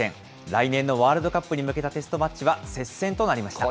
来年のワールドカップに向けたテストマッチは接戦となりました。